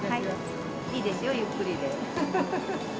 いいですよ、ゆっくりで。